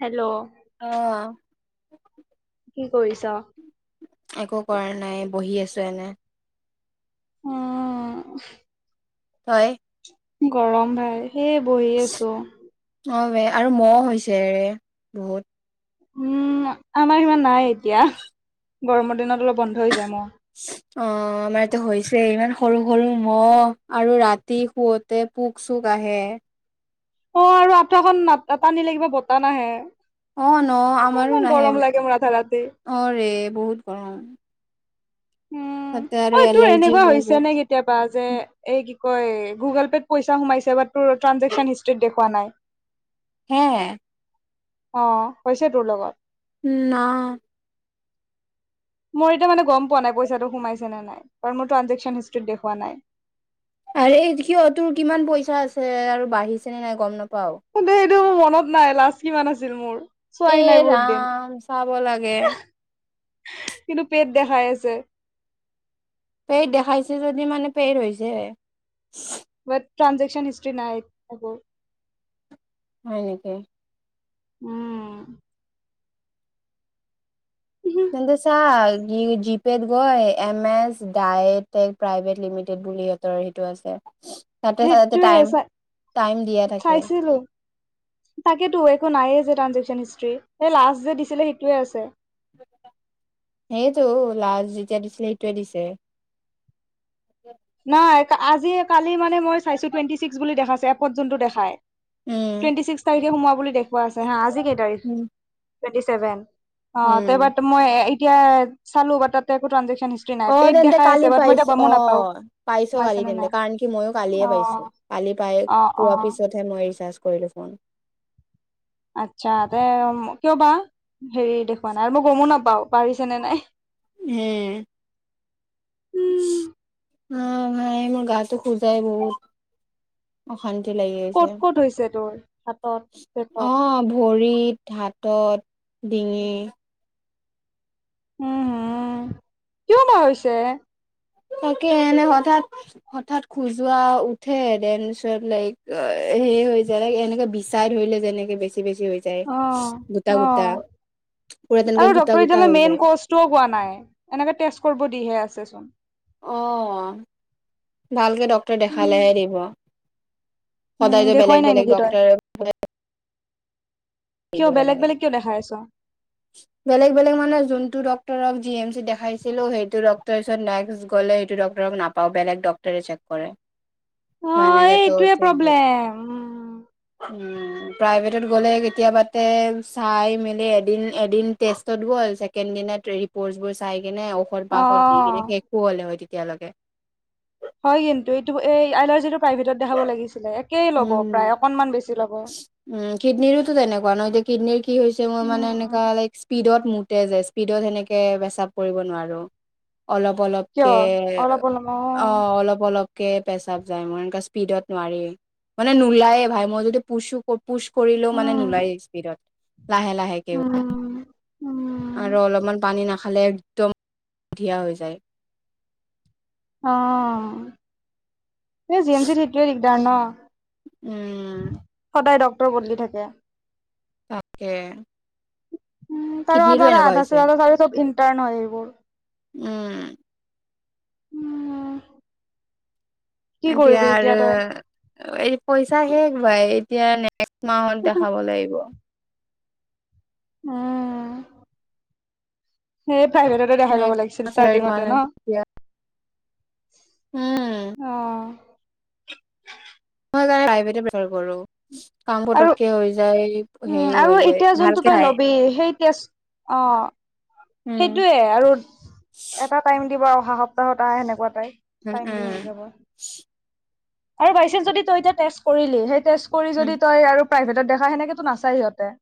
Hello. অ [inaudible] কি কৰিছ'? একো কৰা নাই, বহি আছো এনে। অ। হয়। গৰম ভাই, সেইয়ে বহি আছো। অ বে আৰু মহ হৈছে ৰে, বহুত। উম, আমাৰ ইমান নাই এতিয়া গৰমৰ দিনত অলপ বন্ধ হৈ যায় মই অ' আমাৰটো হৈছে ইমান সৰু সৰু মহ' আৰু ৰাতি শুৱোতে পোক চোক আহে। অ' আৰু আঠাখন ন টানিলে কিবা বতাহ নাহে। অ' ন আমাৰো ইমান নাহে গৰম লাগে মোৰ আধা ৰাতি অ' ৰে বহুত গৰম। উম, তাতে আৰু অ' তোৰ এলাৰ্জি এনেকুৱা ওলাই হৈছে যায় নে কেতিয়াবা যে এই কৈ গুগল পে'ত পইচা সোমাইছে বা তোৰ ট্ৰানজেকশ্যচন হিষ্ট্ৰীত দেখোৱা নাই। হে অ' হৈছে তোৰ লগত উম, না মোৰ এতিয়া মানে গ'ম পোৱা নাই, পইচাটো সোমাইছে নে নাই কাৰণ মোৰ ট্ৰানজেকশ্যচন হিষ্ট্ৰিত দেখোৱা নাই। আৰে কিয় তোৰ কিমান পইচা আছে আৰু বাঢ়িছেনে নাই গ'ম নাপাওঁ। কিন্ত, মোৰ মনত নাই লাষ্ট কিমান আছিল মোৰ। চোৱাই নাই এই বহুত দিন ৰাম চাব লাগে। কিন্তু পেইড দেখাই আছে। পেইড দেখাইছে যদি মানে পেইড হৈছে। বাট ট্ৰানজেকশ্যচন হিষ্ট্ৰিত নাই আকৌ হয় নেকি। উম। তেন্তে চা জি পেট গৈ এম এচ ডাইট্ৰেক প্ৰাইভেট লিমিটেড এটা হেৰিটো আছে। তাতে চাই যে টাইম দিয়া থাকে চাইছিলোঁ। তাকেতো একো নাই যে ট্ৰানজেকশ্যচন। লাষ্ট যে দিছিলে সেইটোৱে আছে। সেইটো লাজ যেতিয়া দিছিলে সেইটোৱে দিছে। নাই আজি কালি মানে মই চাইছো টুৱেণ্টি ছিক্স বুলি দেখাছে এপত যোনটো দেখাই। উম টুৱেণ্টি ছিক্স তাৰিখে সোমোৱা বুলি দেখুৱাই আছে হা, আজি কেই তাৰিখ উম টুৱেন্টি চেভেন। অ' ত উম বাট মই এতিয়া চালো বা তাতে একো ট্ৰানজেকচন। হিষ্ট্ৰি নাই, অ পেট তেন্তে দেখাই কালি আছে বাট মই পাইছো এতিয়া অ গমো নাপাও। পাইছ সোমাইছে কালি নে তেন্তে নাই কাৰণ কি ময়ো কালিয়ে অ পাইছো। কালি পাই অ', পোৱা অ', পিছতহে মই ৰিচাৰ্জ কৰিলো ফোন। আচ্ছা তে কিয় বা হেৰি দেখুওা নাই আৰু মই গমো নাপাও বাঢ়িছে নে নাই। উম। উম, অ' ভাই মোৰ গাটো খোজায় বহুত অশান্তি লাগি ক'ত আছে, ক'ত হৈছে তোৰ হাতত পেটত অ'ভৰিত, হাত তত ডিঙি উম, হম কিয় বা হৈছে? তাকে এনে হঠাৎ, হঠাৎ খোজোৱা উঠে দেন পিছত লাইক সে হৈ যায় এনেকে বিচাই ধৰিলে, যেনেকে বেছি বেছি হৈ যায়, অ', গোটা-গোটা। অ', আৰু ডক্টৰ এতিয়ালৈ মেইন কজটোও কোৱা নাই, এনেকে ষ্টেট কৰিব দিহে আছে চোন অ' ভালকে ডক্টৰে দেখালেহে দিব। উম সদায় যে দেখুৱাই বেলেগ, নাই বেলেগ নেকি তই ডাক্তৰ কিয় বেলেগ তেনেকে বেলেগ কিয় দেখাই আছ অ', বেলেগ, বেলেগ মানে যোনটো ডক্টৰ ডক্টৰক জি এম চি দেখাইছিলো, সেইটো ডক্তৰৰ ওচত নেক্স গ'লে, সেইটো ডক্টৰক নাপাওঁ, বেলেগ ডক্টৰে চেক কৰে এই এনেকে টো এইটোৱে চেঞ্চ প্ৰব্লেম উম উম' প্ৰাইভেটত গ'লে কেতিয়াবাতে চাই মেলি এদিন, এদিন টেষ্টত গ'ল। ছেকেণ্ড দিনত ৰিপৰ্টবোৰ চাই কিনে ঔষধ বাষধ দি কিনে অ', শেষো হ'লে হয় তেতিয়ালৈকে হয়, কিন্তু এইটো এই এলাৰ্জিটো প্ৰাইভেটত দেখাব লাগিছিল। সেই ল'ব প্ৰায় উম, অকণমান বেছি। ল'ব উম, কিডনীৰোতো তেনেকুৱা নহ, এতিয়া কিডনীৰ কি হৈছে মোৰ উম, মানে এনেকুৱা লাইক স্পীডত মুতে যে স্পীডত সেনেকে প্ৰেস্ৰাৱ কৰিব নোৱাৰো। অলপ, কিয় অলপকে অলপ অলপ অ' অলপ- অলপ। পেচাব যায় মোৰ, এনেকা স্পীডত নোৱাৰি, মানে নোলায়ে ভাই, মই যদি পুছো কৰো পুচ কৰিলেও মানে উম, নোলায়, স্পীডত লাহে লাহেকে উম, উম, আৰু অলপমান পানী নাখালে, একদম ধিয়া হৈ যায়। অ' এই জি এম চিত সেটোৱে দিগদাৰ ন'। উম'। ডক্টৰ বদলি থাকে। তাকে উম তাৰ কিডনীৰো আধা, এনেকুৱা আধা হৈছে যে জিদা চব ইণ্টাৰ্ন হয় এইবোৰ। উম'। [unintelligible] কি এতিয়া কৰিবি আৰু তই এই পইচা শেষ ভাই, এতিয়া নেক্সট মাহত দেখাব লাগিব। উম'। সেই প্ৰাইভেটতে দেখাই ল'ব নেক্সট লাগিছিল, মাহ চেলাৰী ষ্টাৰ্টিঙতে মানত ন '। তেতিয়া উম অহ। মই জানা প্ৰাইভেটে প্ৰীফাৰ কৰো। কাম আৰু পটককে হৈ যায়, উম, হেৰিও আৰু হৈ যায়, এতিয়া যোনটো ভালকে তই চায়। ল'বি সেই টেষ্ট অ' সেইটোৱে আৰু এটা টাইম দিব অহ সপ্তাহত আহ সেনেকুৱা উম-উম, সেই জাইছা যদি তই টেষ্ট কৰিলি সেই টেষ্ট কৰি উম যদি আৰু প্ৰাইভেটত দেখা সেনেকে তো নাচাই সিহঁতে।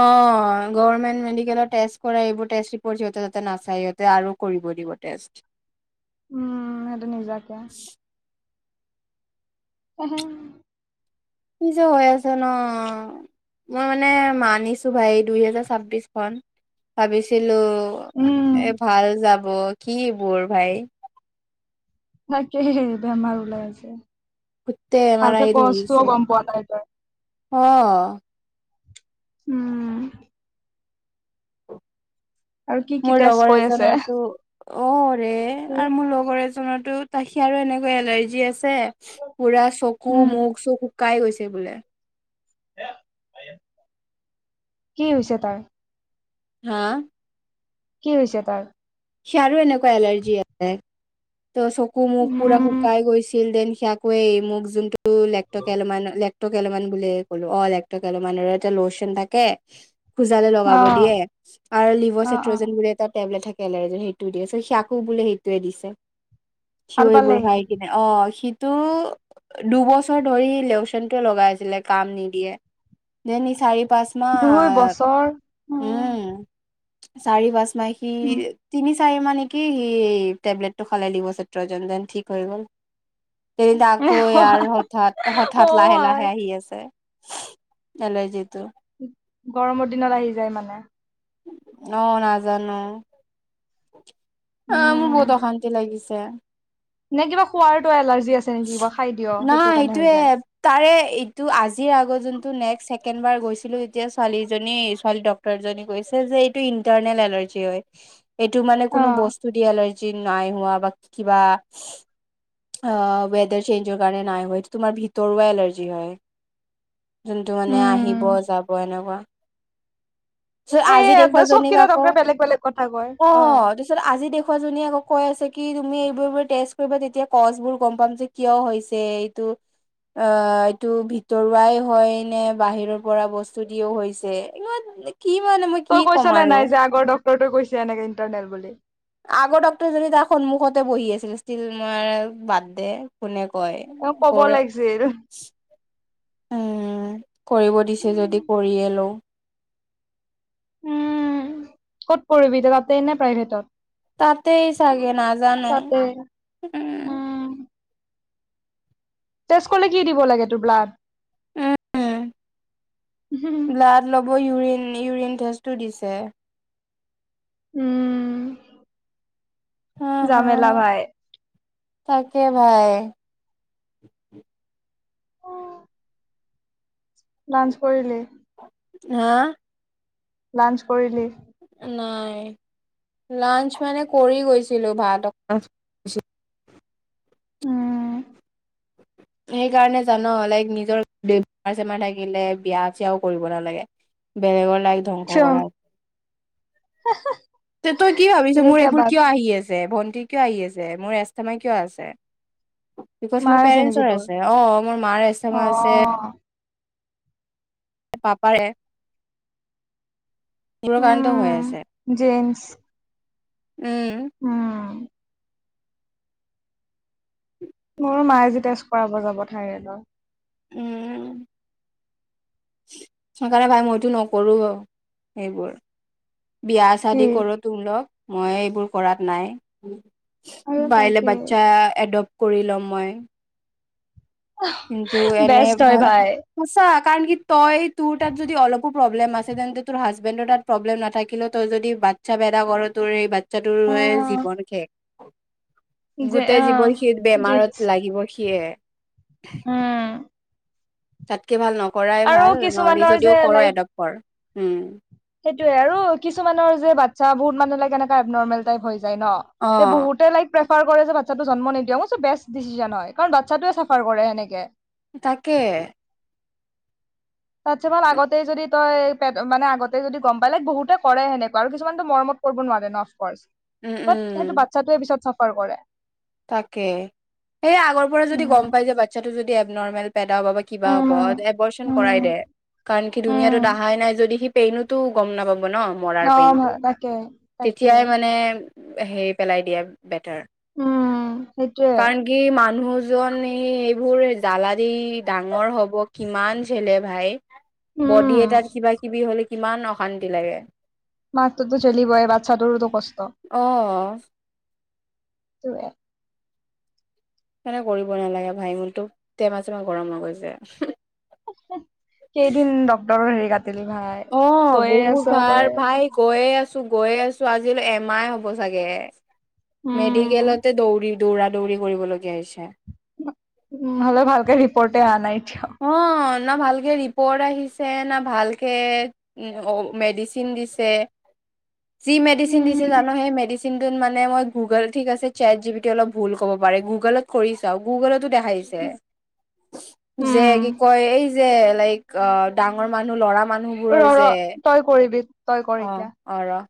অহ, গৰমেন্ত মেডিকেলত টেষ্ট এইবোৰ টেষ্ট ৰিপৰ্ট এইবোৰ নাচাই এ সিহঁতে আৰু কৰিব। কৰিব টেষ্ট। উম, সেইটো নিজাকে, কি [unintelligible] কি যে হৈ আছে ন। মই মানে মানিছো ভাই দুইহেজাৰ ছাব্বিশ খন ভাবিছিলো উম এ ভাল যাব কি বোৰ ভাই। তাকেই বেমাৰ ওলাই আছে। গোটেই এমাৰ ভালকে কচটোও গম পোৱা নাই তই। অহ', উম, আৰু কি কি মোৰ টেষ্ট লগৰ কৈ এজন আছে টো অৰে আৰু মোৰ লগৰ এজ টো তাহি আৰু এনেকৈ এলাৰ্জি আছে পুৰা চকু উম মুখ চুখ শুকাই গৈছে বোলে। কি হৈছে তাৰ? হা, কি হৈছে তাৰ? সিয়াৰো এনেকুৱা এলাৰ্জি আছে ত চকু মুখ পুৰা উম শুকাই গৈছিল দেন সি আকেই মোক যোনটো এক কেলো মান লে ত' লেতকেলমান বুলি ক'লো অ' লেতকেলমান কেলো মানৰ এটা লোচন থাকে। খোজালে অ লগাব দিয়ে আৰু লিভ অ অ চাইট্ৰজেন বুলি এটা টেবলেট থাকে। কেলে এ সেইটোও দি সি আকৌ বোলে সেইটোৱে দিছে। ভাল চিঞৰিবোৰ পালেহি খাই কিনে অ' শীত টো দুবছৰ ধৰি লেউচনটো লগাইছিলে কাম নিদিয়ে। দেন সি চাৰি পাঁচ মাহ দুই বছৰ উম, চাৰি পাচ মাহ সি উম, তিনি চাৰি মান নেকি সি টেবলেটো সলাই দি লিভাৰচেত্ৰজন ডেন সি ঠিক হৈ গ'ল। তেনে এ, আকৌ ইয়াৰ অ হঠাৎ-হঠাৎ, লাহে-লাহে আই আহি আছে। এলাৰজিটো। গৰমৰ দিনত আহি যায় মানে। অ, নাজানো অ, মোৰ বহুত উম অশান্তি লাগিছে। [unintelligible] নে কিবা খোৱাৰটো এলাৰ্জি আছে নেকি কিব খাই দিয় নাই সেইটো কাৰণে হৈ এইটোয়ে যায়। তাৰে এইটো আজিৰ আগত যোনটো নেকছ চেকেড বাৰ গৈছিলো যেতিয়া ছোৱালী জনী ছোৱালী ডক্টৰ কৈছে যে এইটো ইন্টাৰনে এলাৰ্জ হয় এইটো মানে অ কোনো বস্তু দি এলাৰ্জি নাই। হোৱা বা কিবা। অহ, ৱেডাৰ চেঞ্জৰ কাৰণে নাই হয় তোমাৰ ভিতৰুৱা এলাৰ্জি হয়। যোনটো মানে আহিব উম যাব এনেকুৱা। তাৰপিছত আজি দেখুৱ সেইয়ে চব জনীক কেইটা আকৌ ডক্টৰে বেলেগ বেলেগ কথা কয় অ, অ তাৰিছত আজি দেখুৱা জনীয়ে আকৌ কৈ আছে কি তুমি এইবোৰ টেষ্ট কৰিব তেতিয়া কছবোৰ গম পাম যে কিয় হৈছে এইটো। অ, এইটো ভিতৰুৱাই হয় নে বাহিৰৰ পৰা বস্তু দিও হৈছে। কি মানে মই তই কি ক'ম কৈছা নে আৰু নাই যে আগৰ ডক্টৰটো কৈছে এনেকে ইণ্টাৰনেল বুলি। আগৰ ডক্তৰ যদি তাৰ সন্মুখতে বহি আছিল ষ্টিল ম বাদ দে কোনে কই অ ক'ব কৰে। লাগিছিল উম, কৰিব দিছে যদি কৰিযযে লও। উম, ক'ত কৰিবি তাতে নে প্ৰাইভেটত। তাতেই চাগে নাজানো তাতে উম, উম টেষ্ট কৰিলে কি দিব লাগে? তোৰ ব্লাড উম, উম ব্লাড ল'ব ইউৰিন ইউৰিন টেষ্টটো দিছে। উম, হা জামেলা হা ভাই। তাকে, ভাই। লাঞ্চ কৰিলি? হা লাঞ্চ কৰিলি? নাই। লাঞ্চ মানে কৰি গৈছিলোঁ, ভাত [inaudible] উম। সেইকাৰণে জান, লাইক নিজৰ বেমাৰ চেমাৰ থাকিলে বিয়া চিয়াও কৰিব নালাগে। বেলেগৰ লাইক ধ্বংস কিয় কৰা। তে, তই কি ভাবিছ? ইয়ে মোৰ কিয়া এইবোৰ বাত কিয় আহি আছ ভন্টি কিয় আহি আছে? মোৰ এচথমাই কিয় আছে? বিকজ মোৰ মাৰ আছে নেকি পেৰেণ্টছৰ তোৰ আছে, অ', মোৰ মাৰ এচথমাই আছে। অ', পাপাৰে এইবোৰ কাৰণতো হৈ আছে। জেন্ছ উম। উম, মোৰো মায়ে আজি টেষ্ট কৰাব যাব থাইৰেডৰ। উম। সেইকাৰণে ভাই মইতো নকৰোঁ, সেইবোৰ। বিয়া কি চাদি কৰো তো লগ মই এইবোৰ কৰাত নাই। আৰু বাইলে তাকে বাচ্ছা এডপ্ট কৰি লওঁ মই কিন্তু এনে বেষ্ট হয় ভাই সঁচা কাৰণ কি তই তোৰ তাত যদি অলপো প্ৰব্লেম আছে তেন্তে তোৰ হাজবেণ্ডৰ তাত প্ৰব্লেম নাথাকিলে তোৰ যদি বাচ্ছা বেদ কৰ তোৰ স চাটো হয় অ', জীৱন শেষ। যে গোটেই অ', জীৱন সি জিন্ছ বেমাৰত লাগিব সিয়ে, উম, তাতকে ভাল নকৰাই আৰু ভাল নহলে কিছুমানৰ যদিও যে কৰ লাইক এডপটৰ উম। সেইটোয়ে আৰু কিছুমানৰ যেচ্ছা বহুত মানে লকে এনেকা এ নৰ্মেল টাইপ হৈ অ য, বহু ল চাফাৰ কৰে যে বাচ্ছাতটো জন্ম নিদিয়ক মই বেষ্ট ডিচিজনন হয় কাৰণ বাচ্ছাটোৱে চাফাৰ কৰে সনেকে তাকে, তাতছ মমান আগতে যদি তই মানে আগতেই যদি গম পালে বহুতে কৰে সেনেকুৱা আৰু কিছুমানতটো মৰমত নোৱাৰে ন উম অফ সেইটো উম বাচ্ছে পিছত চাফাৰ কৰে তাকে সেয়ে আগৰ পৰা যদি উম গম পাই যে বাচ্ছাটো যদি এব নৰ্মেল পেদা হ'ব বা কিবা হ'ব উম এবৰচন উম কৰাই দে কাৰণ সি ধুনীয়া উম টোত অহাই নাই যদি সি পেইনোতো গম নাপাব ন মৰাৰ অ' ভা- পেইনতটো তাকে তাকে তেতিয়াই মানে সেইৰি পেলাই দিয়া বেটাৰ উম সেইটোৱে। কাৰণ কি মানুহ জন এই এইবোৰ জাল দি ডাঙৰ হ'ব কিমান েলে ভাই বডি উম এটাত কিবা কিবি হ'লে কিমান অশান্তি লাগে মাকটোতো েলি বয় বাচ্ছাটোৰো দু কষ্ট অ ত মানে কৰিব নালাগে, ভাই মূৰটো টেমা চেমা গৰম হৈ গৈছে। কেইদিন ডক্টৰৰ হেৰি ক অ' বহুত ভাল আছ। ভাই গৈয়ে আছে। গৈয়ে আছো আজিল এম আই হ'ব চাগে উম মেডিকেলতে দৌৰি দৌৰা দৌৰি কৰিবলগীয়া হৈছে। উম, হ'লে ভালকে ৰিপৰ্টে অহা নাই এতিয়াও। অ না ভালকৈ ৰিপৰ্ট আহিছে না ভালকে মেডিচিন দিছে [inaudible] জি মেডিচিন দিছে উম জানো সেই মেডিচিন কিন্তুত মানে মই গুগল ঠিক আছে চেট জিপিটি অলপ ভুল ক'ব পাৰে গুগলত কৰি চাওঁ গুগলতো দেখাইছে। ছে [inaudible] যে উম। কি কয় এই যে লাইক অ' ডাঙৰ মানুহ লৰা ৰ মানুহবোৰৰ ৰ যে তই কৰিবি তই কৰ অ এতিয়া। অ ৰ